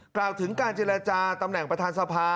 กล่าวถึงการเจรจาตำแหน่งประธานสภา